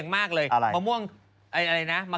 ไม่รู้